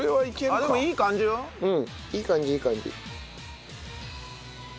うんいい感じいい感じ。